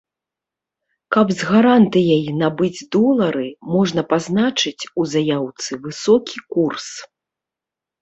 Каб з гарантыяй набыць долары, можна пазначыць у заяўцы высокі курс.